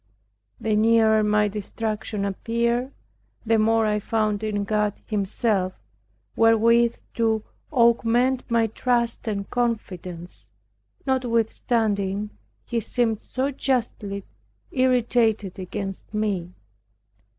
The nearer my destruction appeared, the more I found in God Himself, wherewith to augment my trust and confidence, notwithstanding He seemed so justly irritated against me.